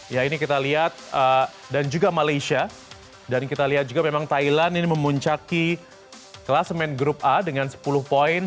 ya ini kita lihat dan juga malaysia dan kita lihat juga memang thailand ini memuncaki kelas main grup a dengan sepuluh poin